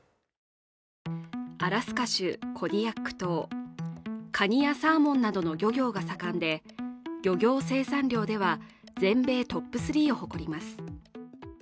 アラスカ州コディアック島かにやサーモンなどの漁業が盛んで漁業生産量では全米トップ３を誇ります。